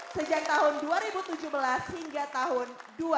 sejak tahun dua ribu tujuh belas hingga tahun dua ribu dua puluh